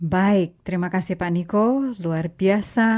baik terima kasih pak niko luar biasa